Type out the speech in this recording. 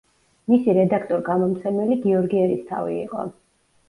მისი რედაქტორ-გამომცემელი გიორგი ერისთავი იყო.